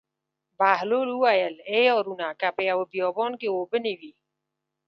بهلول وویل: ای هارونه که په یوه بیابان کې اوبه نه وي.